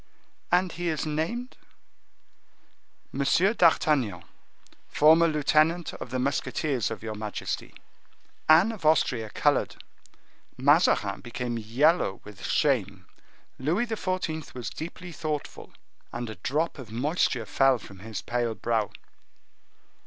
"And he is named?" "Monsieur d'Artagnan, formerly lieutenant of the musketeers of your majesty." Anne of Austria colored; Mazarin became yellow with shame; Louis XIV. was deeply thoughtful, and a drop of moisture fell from his pale brow.